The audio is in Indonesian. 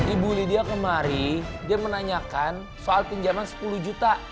ibu lydia kemari dia menanyakan soal pinjaman sepuluh juta